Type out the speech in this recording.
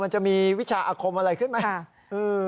มันจะมีวิชาอาคมอะไรขึ้นไหม